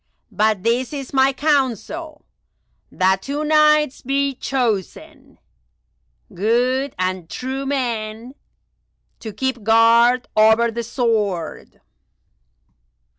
But this is my counsel—that two Knights be chosen, good and true men, to keep guard over the sword."